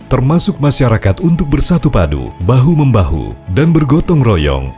termasuk masyarakat untuk bersatu padu bahu membahu dan bergotong royong